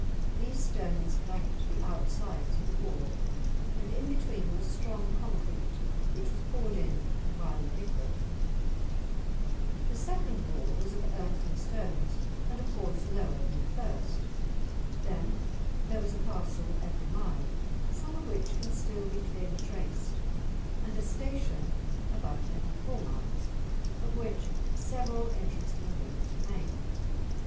These stones flanked the outsides of the wall, and in between was strong concrete which was poured in while in liquid. The second wall was of earth and stones, and, of course, lower than the first. Then there was a castle every mile, some of which can still be clearly traced, and a "station," about every four miles, of which several interesting ruins remain.